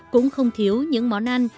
cũng không thiếu những món ăn